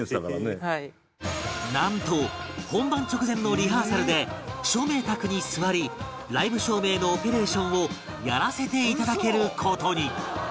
なんと本番直前のリハーサルで照明卓に座りライブ照明のオペレーションをやらせていただける事に